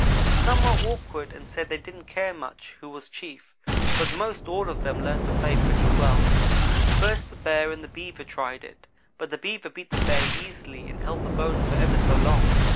"Some were awkward and said they didn't care much who was chief, but most all of them learned to play pretty well. First the Bear and the Beaver tried it, but the Beaver beat the Bear easily and held the bone for ever so long.